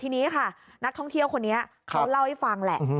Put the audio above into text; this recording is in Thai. ทีนี้ค่ะนักท่องเที่ยวคนนี้เขาเล่าให้ฟังแหละ